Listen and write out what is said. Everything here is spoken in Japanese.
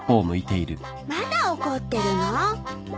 まだ怒ってるの？